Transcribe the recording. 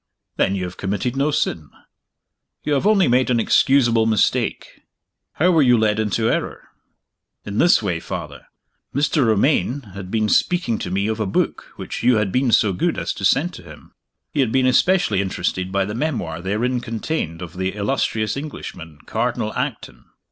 "Then you have committed no sin. You have only made an excusable mistake. How were you led into error?" "In this way, Father. Mr. Romayne had been speaking to me of a book which you had been so good as to send to him. He had been especially interested by the memoir therein contained of the illustrious Englishman, Cardinal Acton.